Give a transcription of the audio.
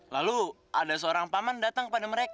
lalu ada seorang paman datang kepada mereka